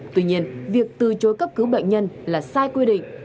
tuy nhiên việc từ chối cấp cứu bệnh nhân là sai quy định